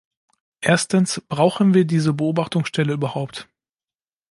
Erstens, brauchen wir diese Beobachtungsstelle überhaupt?